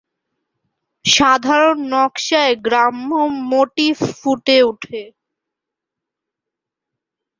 সাধারণত নকশায় গ্রাম্য মোটিফ ফুটে ওঠে।